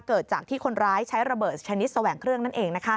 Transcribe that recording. เกิดจากที่คนร้ายใช้ระเบิดชนิดแสวงเครื่องนั่นเอง